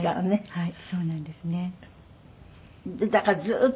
はい。